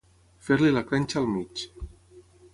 Fer-li la clenxa al mig.